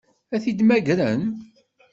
Ad t-id-mmagren?